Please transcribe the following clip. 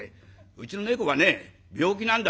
うちの猫はね病気なんだよ！